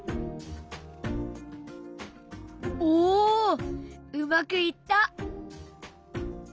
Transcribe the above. おうまくいった。